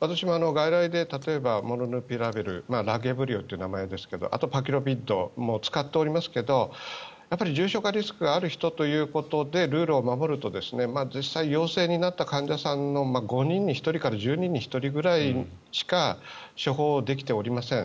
私も外来で例えば、モルヌピラビルラゲブリオという名前ですがあとパキロビッドパックも使っておりますが重症化リスクがある人ということでルールを守ると実際に陽性になった患者さんの５人に１人から１０人に１人くらいしか処方できていません。